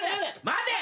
待て。